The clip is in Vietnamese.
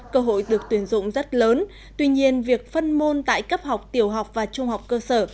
cơ hội được tuyển dụng rất lớn tuy nhiên việc phân môn tại cấp học tiểu học và trung học cơ sở